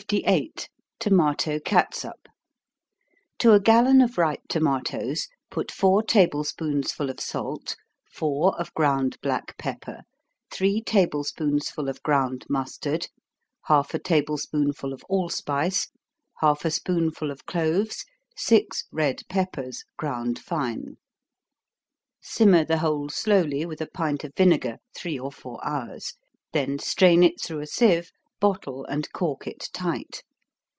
Tomato Catsup. To a gallon of ripe tomatos, put four table spoonsful of salt, four of ground black pepper, three table spoonsful of ground mustard, half a table spoonful of allspice, half a spoonful of cloves, six red peppers, ground fine simmer the whole slowly, with a pint of vinegar, three or four hours then strain it through a sieve, bottle and cork it tight.